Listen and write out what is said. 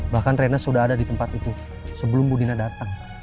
bahkan rena sudah ada di tempat itu sebelum budina datang